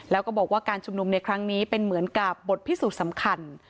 แล้วก็บอกว่าการชุมนุมในครั้งนี้เป็นเหมือนกับบทพิสูจน์สำคัญ